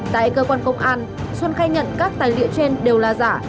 tại cơ quan công an xuân khai nhận các tài liệu trên đều là giả